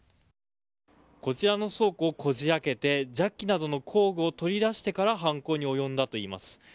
こちらの倉庫をこじ開けてジャッキなどの工具を取り出してから犯行に及んだといいます。